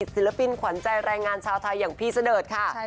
ศิลปินขวัญใจแรงงานชาวไทยอย่างพี่เสดิร์ดค่ะ